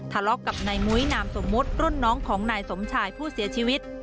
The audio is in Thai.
ทะเลาะกับนายมุ้ยนามสมมุติรุ่นน้องของนายสมชายผู้เสียชีวิต